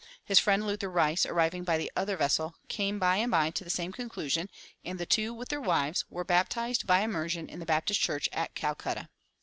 His friend, Luther Rice, arriving by the other vessel, came by and by to the same conclusion; and the two, with their wives, were baptized by immersion in the Baptist church at Calcutta.